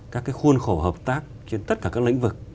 các cái khuôn khổ hợp tác trên tất cả các lĩnh vực